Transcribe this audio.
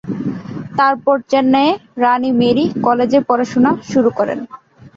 তারপরে চেন্নাইয়ে রানী মেরি কলেজে পড়াশোনা শুরু করেন।